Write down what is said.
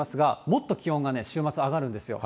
もっと気温が週末、上がるんですよ。